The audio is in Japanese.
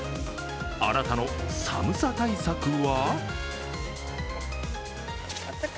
あなたの寒さ対策は？